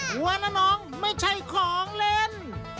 หัวนะน้องไม่ใช่ของเล่น